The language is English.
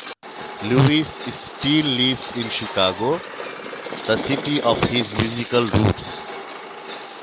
Lewis still lives in Chicago, the city of his musical roots.